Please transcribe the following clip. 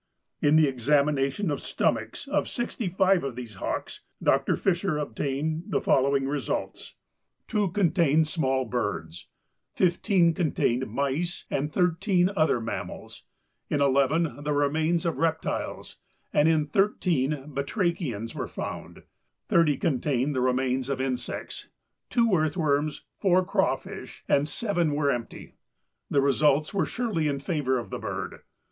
In the examination of stomachs of sixty five of these Hawks Dr. Fisher obtained the following results: Two contained small birds; fifteen contained mice and thirteen other mammals; in eleven the remains of reptiles, and in thirteen batrachians were found; thirty contained the remains of insects, two earthworms, four crawfish and seven were empty. The results were surely in favor of the bird.